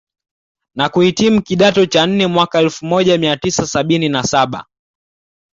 na kuhitimu kidato cha nne mwaka Elfu moja mia tisa sabini na saba